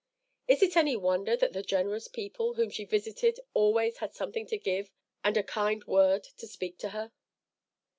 Is it any wonder that the generous people whom she visited always had something to give and a kind word to speak to her?